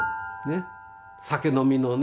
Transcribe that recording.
酒飲みのね